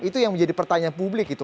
itu yang menjadi pertanyaan publik gitu